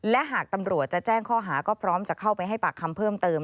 และหากตำรวจจะแจ้งข้อหาก็พร้อมจะเข้าไปให้ปากคำเพิ่มเติม